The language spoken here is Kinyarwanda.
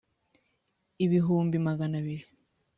ibihumbi magana abiri